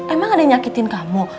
emang ada yang nyakitin kamu